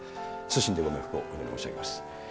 謹んでご冥福をお祈り申し上げます。